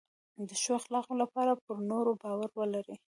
د ښو اخلاقو لپاره پر نورو باور ولرئ.